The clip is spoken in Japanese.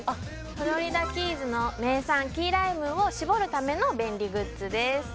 フロリダキーズの名産キーライムを搾るための便利グッズです